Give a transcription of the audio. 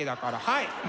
はい。